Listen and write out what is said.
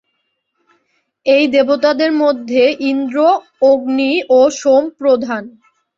এই দেবতাদের মধ্যে ইন্দ্র, অগ্নি ও সোম প্রধান।